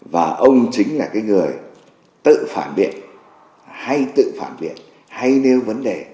và ông chính là cái người tự phản biện hay tự phản biệt hay nêu vấn đề